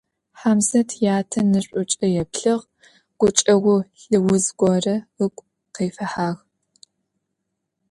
Хьамзэт ятэ нэшӀукӀэ еплъыгъ, гукӀэгъу лыуз горэ ыгу къыфихьагъ.